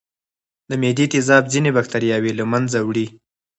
د معدې تیزاب ځینې بکتریاوې له منځه وړي.